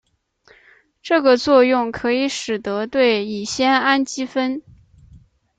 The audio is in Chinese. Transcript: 这个作用可以使得对乙酰氨基酚。